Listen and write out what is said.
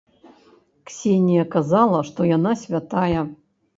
Ксенія казала, што яна святая.